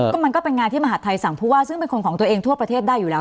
ก็มันก็เป็นงานที่มหาดไทยสั่งผู้ว่าซึ่งเป็นคนของตัวเองทั่วประเทศได้อยู่แล้ว